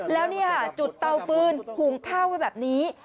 แล้วนี่ค่ะจุดเตาฟืนหุงข้าวไว้แบบนี้